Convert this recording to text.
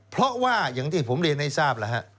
เพราะว่าอย่างที่ผมเรียนให้ทราบแล้วฮะ